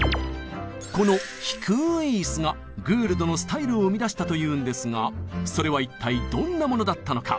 この「低い椅子」がグールドのスタイルを生み出したというんですがそれは一体どんなものだったのか？